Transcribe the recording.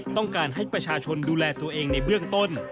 ต้องการให้ประชาชนดูแลตัวเองในเบื้องต้น